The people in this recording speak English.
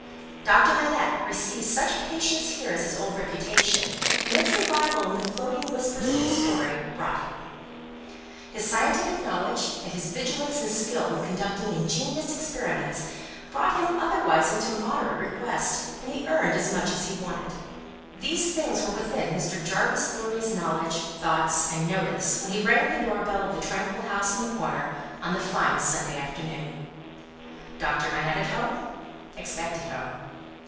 Doctor Manette received such patients here as his old reputation, and its revival in the floating whispers of his story, brought him. His scientific knowledge, and his vigilance and skill in conducting ingenious experiments, brought him otherwise into moderate request, and he earned as much as he wanted. These things were within Mr. Jarvis Lorry's knowledge, thoughts, and notice, when he rang the door bell of the tranquil house in the corner, on the fine Sunday afternoon. "Doctor Manette at home?" Expected home.